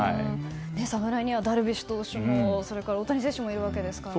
侍にはダルビッシュ投手も大谷選手もいるわけですからね。